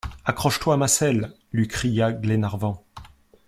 Accroche-toi à ma selle, lui cria Glenarvan.